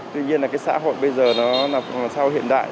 tuy nhiên là cái xã hội bây giờ nó làm sao hiện đại